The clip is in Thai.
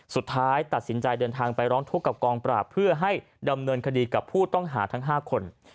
สุดท้ายตัดสินใจเดินทางไปร้องทุกข์กับกองปราบเพื่อให้ดำเนินคดีกับผู้ต้องหาทั้ง๕คน